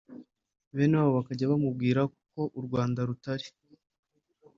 bene wabo bakajya bamubwira ko uko u Rwanda rutari